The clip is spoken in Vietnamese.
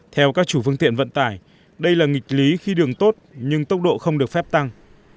theo các chủ phương tiện vận tải đây là nghịch lý khi đường tốt nhưng tốc độ không được phép tăng